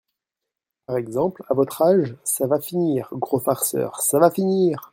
Par exemple !… à votre âge !… ça va finir !… gros farceur, ça va finir !…